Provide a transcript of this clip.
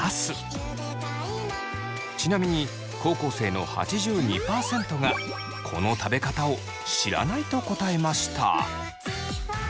ちなみに高校生の８２％がこの食べ方を「知らない」と答えました。